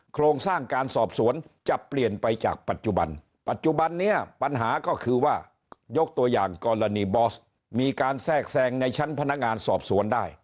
โครงสร้างการสอบสวนจะเปลี่ยนไปจากปัจจุบันปัจจุบันนี้ปัญหาก็คือว่ายกตัวอย่างกรณีบอสมีการแทรกแทรงในชั้นพนักงานสอบสวนได้